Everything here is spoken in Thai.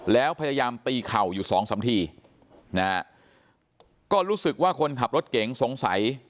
แล้วพยายามตีเข่าอยู่สองสามทีนะฮะก็รู้สึกว่าคนขับรถเก๋งสงสัย